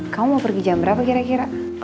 kamu mau pergi jam berapa kira kira